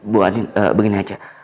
bu handi begini aja